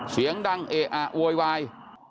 เสียงดังเอะอะโวยวาย